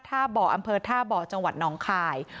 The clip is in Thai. ท่าบ่ออำเพิร์ตจังหวัดน้องข่าย